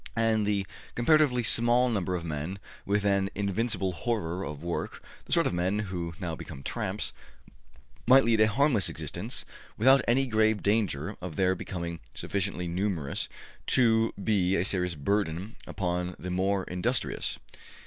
'' And the comparatively small number of men with an invincible horror of work the sort of men who now become tramps might lead a harmless existence, without any grave danger of their becoming sufficiently numerous to be a serious burden upon the more industrious.